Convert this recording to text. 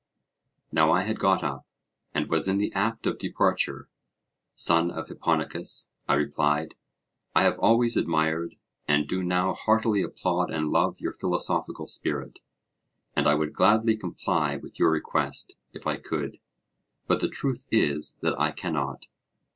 Now I had got up, and was in the act of departure. Son of Hipponicus, I replied, I have always admired, and do now heartily applaud and love your philosophical spirit, and I would gladly comply with your request, if I could. But the truth is that I cannot.